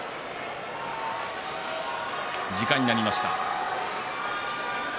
時間になりました。